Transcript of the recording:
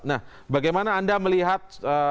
nah bagaimana anda melihat